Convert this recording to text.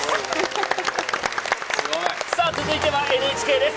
さあ、続いてはＮＨＫです。